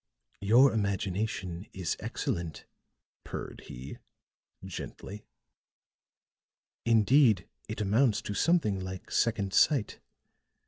"Your imagination is excellent," purred he, gently; "indeed, it amounts to something like second sight.